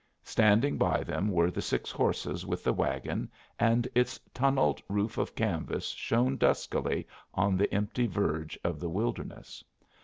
Standing by them were the six horses with the wagon, and its tunneled roof of canvas shone duskily on the empty verge of the wilderness.